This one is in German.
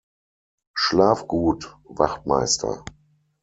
Schlaf gut, Wachtmeister!